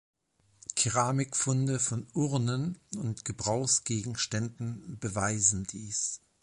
Keramikfunde von Urnen und Gebrauchsgegenständen beweisen dies.